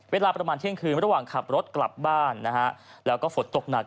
เวลาประมาณเที่ยงคืนระหว่างขับรถกลับบ้านนะฮะแล้วก็ฝนตกหนัก